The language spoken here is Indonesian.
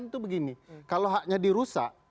itu begini kalau haknya dirusak